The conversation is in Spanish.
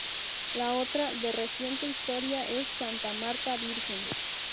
La otra, de reciente historia, es Santa Martha Virgen.